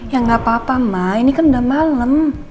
ya gak apa apa ma ini kan udah malem